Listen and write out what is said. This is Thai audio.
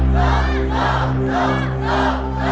สู้สู้สู้